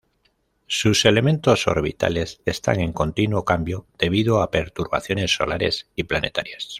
Sus elementos orbitales están en continuo cambio debido a perturbaciones solares y planetarias.